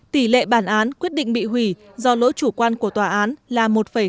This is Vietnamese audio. tỷ lệ bản án quyết định bị hủy do lỗi chủ quan của tòa án là một tám